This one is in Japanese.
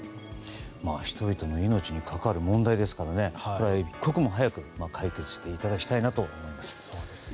人々の命に関わる問題ですからね一刻も早く解決をしていただきたいなと思います。